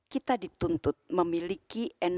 kita dituntut memiliki endurance yang